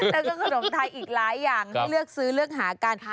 แล้วก็ขนมไทยอีกหลายอย่างให้เลือกซื้อเลือกหากัน